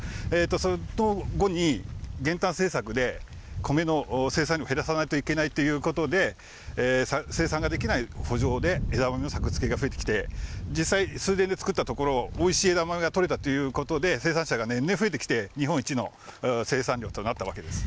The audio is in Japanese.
それと、減反政策で米の生産量を減らさないといけないということで、生産ができないほ場で枝豆の作付が増えてきて、実際、水田で作ったところおいしい枝豆が取れたということで、生産者が年々増えてきて、日本一の生産量となったわけです。